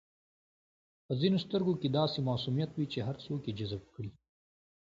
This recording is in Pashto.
په ځینو سترګو کې داسې معصومیت وي چې هر څوک یې جذب کړي.